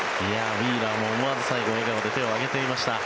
ウィーラーも思わず最後、笑顔で手を上げていました。